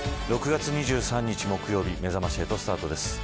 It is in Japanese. ６月２３日木曜日めざまし８スタートです。